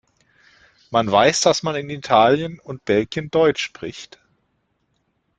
Man weiß, dass man in Italien und Belgien Deutsch spricht ?